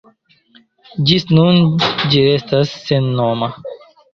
Ĝis nun, ĝi restas sennoma.